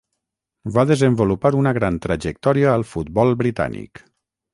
Va desenvolupar una gran trajectòria al futbol britànic.